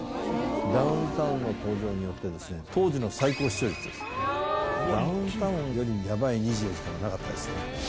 ダウンタウンの登場によって、当時の最高視聴率、ダウンタウンよりやばい２４時間なかったですね。